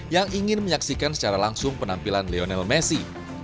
yang ingin menyaksikan secara langsung penampilan lionel messi